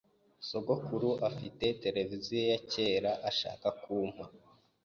Sogokuru afite televiziyo ya kera ashaka kumpa.